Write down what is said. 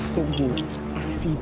tunggu aksi dasarnya